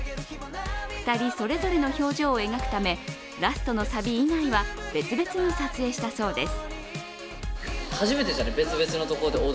２人それぞれの表情を描くためラストのサビ以外は別々に撮影したそうです。